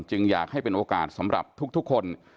อยากให้เป็นโอกาสสำหรับทุกคน